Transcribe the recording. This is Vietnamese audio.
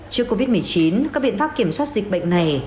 trước covid một mươi chín các biện pháp kiểm soát dịch bệnh này